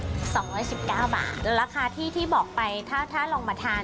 ๒๑๙บาทราคาที่บอกไปถ้าลองมาทาน